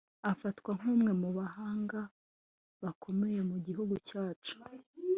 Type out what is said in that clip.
afatwa nk'umwe mu bahanga bakomeye mu gihugu cyacu